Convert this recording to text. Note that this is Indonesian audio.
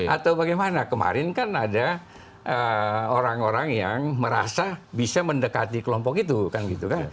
atau bagaimana kemarin kan ada orang orang yang merasa bisa mendekati kelompok itu kan gitu kan